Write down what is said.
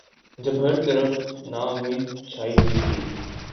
جب ہر طرف ناامیدی چھائی ہوئی تھی۔